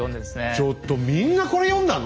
ちょっとみんなこれ読んだの？